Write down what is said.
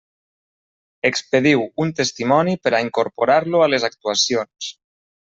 Expediu un testimoni per a incorporar-lo a les actuacions.